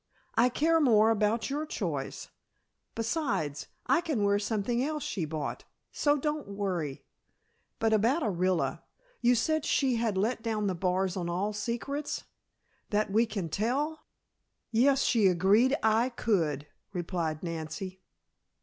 I care more about your choice. Besides, I can wear something else she bought, so don't worry. But about Orilla. You said she had let down the bars on all secrets? That we can tell?" "Yes, she agreed I could," replied Nancy.